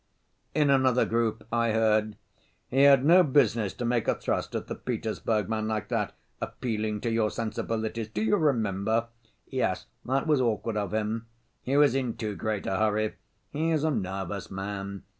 In another group I heard: "He had no business to make a thrust at the Petersburg man like that; 'appealing to your sensibilities'—do you remember?" "Yes, that was awkward of him." "He was in too great a hurry." "He is a nervous man."